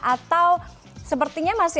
atau sepertinya masih